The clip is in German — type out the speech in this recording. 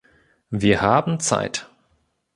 Wir haben Zeit.